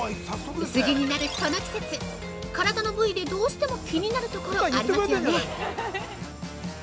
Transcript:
薄着になるこの季節体の部位でどうしても気になるところありますよね？